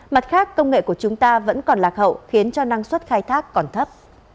mặt khác công nghệ của chúng ta vẫn còn lạc hậu khiến cho năng suất khai thác còn thấp